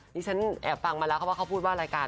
นี่ฉันเอกพังมาแล้วเขาพูดว่ารายการ